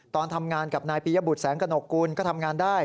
ตอนทำงานกับนายปียบุตรแสงกระหนกกุลก็ทำงานได้